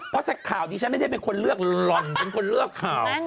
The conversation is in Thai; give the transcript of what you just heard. เพราะสักข่าวที่ชั้นไม่ได้เป็นคนเลือกรณเป็นคนเลือกข่าว